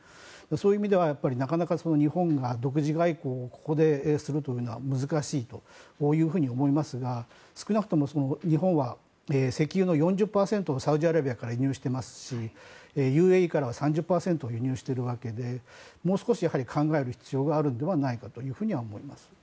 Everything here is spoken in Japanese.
そういう意味ではなかなか日本が独自外交をここでするというのは難しいと思いますが少なくとも、日本は石油の４０％をサウジアラビアから輸入していますしＵＡＥからは３０％輸入しているわけでもう少し考える必要があるのではないかと思います。